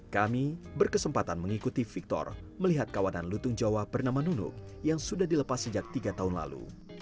kami berkesempatan mengikuti victor melihat kawanan lutung jawa bernama nunuk yang sudah dilepas sejak tiga tahun lalu